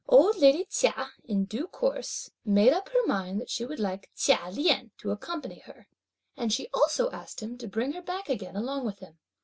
Old lady Chia, in due course, made up her mind that she would like Chia Lien to accompany her, and she also asked him to bring her back again along with him.